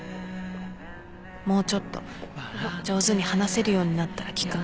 もうちょっと上手に話せるようになったら聞くね